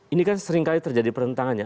ini kan seringkali terjadi perhentangannya